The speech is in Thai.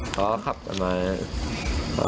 กำลังวิ่งตามคุณ